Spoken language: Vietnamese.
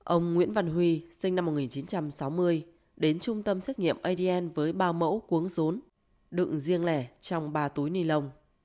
ông nguyễn văn huy sinh năm một nghìn chín trăm sáu mươi đến trung tâm xét nghiệm adn với ba mẫu cuống rốn đựng riêng lẻ trong ba túi ni lông